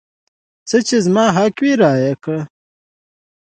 څه چې زما حق وي رایې کړه.